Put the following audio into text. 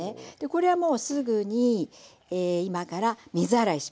これはもうすぐに今から水洗いします。